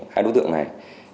hai đối tượng này